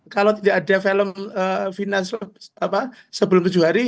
kalau tidak ada film final sebelum tujuh hari